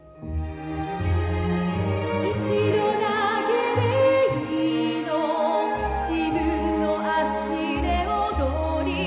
「一度だけでいいの自分の足で踊りたい」